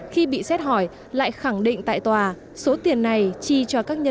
khi bị xét hỏi lại khẳng định tại tòa số tiền này chi cho các nhân